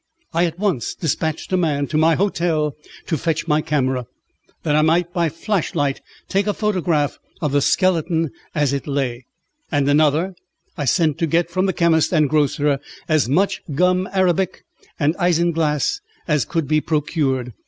I at once despatched a man to my hotel to fetch my camera, that I might by flashlight take a photograph of the skeleton as it lay; and another I sent to get from the chemist and grocer as much gum arabic and isinglass as could be procured.